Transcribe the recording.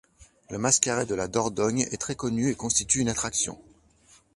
Le mascaret de la Dordogne est très connu et constitue une attraction.